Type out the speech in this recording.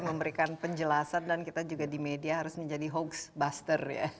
memberikan penjelasan dan kita juga di media harus menjadi hoax buster ya